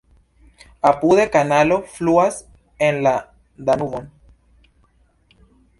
Apude kanalo fluas en la Danubon.